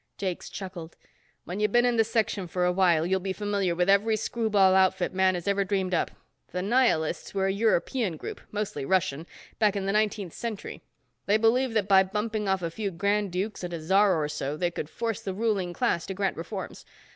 Jakes chuckled. "When you've been in this Section for a while, you'll be familiar with every screwball outfit man has ever dreamed up. The Nihilists were a European group, mostly Russian, back in the Nineteenth Century. They believed that by bumping off a few Grand Dukes and a Czar or so they could force the ruling class to grant reforms.